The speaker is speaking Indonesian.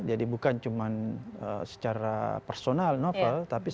jadi bukan cuma secara personal novel tapi sebenarnya juga kepada kpk